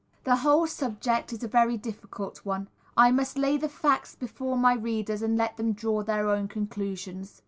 The whole subject is a very difficult one; I must lay the facts before my readers and let them draw their own conclusions.